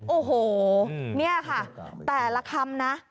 โอ้โหนี่ค่ะแต่ละคำนะ